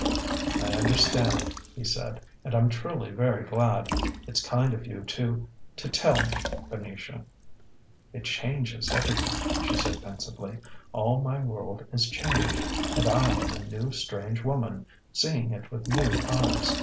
"I understand," he said, "and I'm truly very glad. It's kind of you to to tell me, Venetia." "It changes everything," she said pensively: "all my world is changed, and I am a new strange woman, seeing it with new eyes.